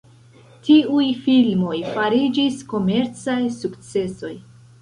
Tiuj filmoj fariĝis komercaj sukcesoj.